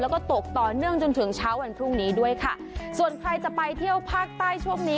แล้วก็ตกต่อเนื่องจนถึงเช้าวันพรุ่งนี้ด้วยค่ะส่วนใครจะไปเที่ยวภาคใต้ช่วงนี้